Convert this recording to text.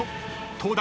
東大